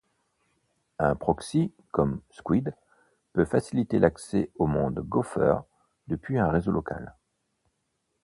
Un proxy, comme squid, peut faciliter l'accès au monde Gopher depuis un réseau local.